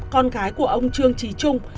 con gái của ông trương trí trung